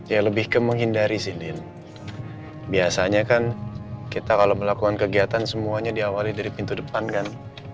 ya lebih ke menghindari sini biasanya kan kita kalau melakukan kegiatan semuanya diawali dari pintu depan kan